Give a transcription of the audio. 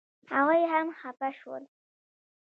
هغوی هم خپه شول.